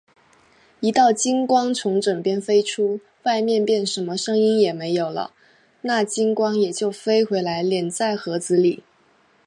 一道金光从枕边飞出，外面便什么声音也没有了，那金光也就飞回来，敛在盒子里。